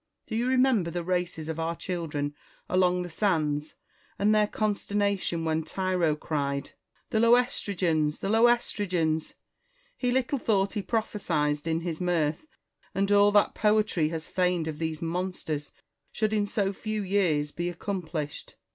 Do you remember the races of our children along the sands, and their consternation when Tyro cried, " The Lcestrygons I the Lcestrygons 1 " He little thought he prophesied in his mirth, and all that poetry has feigned of these monsters should in so few years be accom plished.